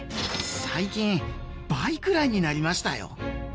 最近倍くらいになりましたよ。